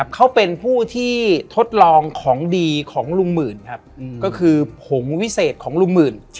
เขาเป็นผู้ที่ทดลองของดีของลุงหมื่นครับก็คือผงวิเศษของลุงหมื่น